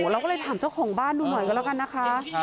เราเลยถามเจ้าของบ้านดูหน่อยกันโหลนะค่ะ